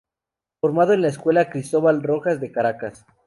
Formado en la Escuela Cristóbal Rojas de Caracas.